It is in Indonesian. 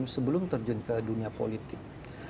sebelum terjun ke dunia politik